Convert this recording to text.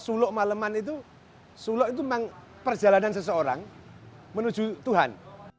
suluk malaman itu suluk itu perjalanan seseorang menuju tuhan